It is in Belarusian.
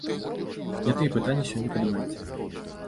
Не тыя пытанні сёння падымаеце.